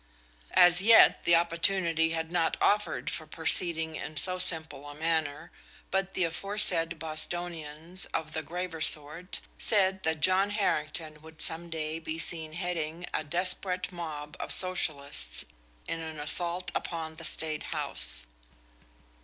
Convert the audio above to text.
As yet the opportunity had not offered for proceeding in so simple a manner, but the aforesaid Bostonians of the graver sort said that John Harrington would some day be seen heading a desperate mob of socialists in an assault upon the State House.